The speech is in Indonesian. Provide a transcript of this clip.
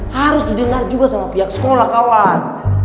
harus didengar juga sama pihak sekolah kawan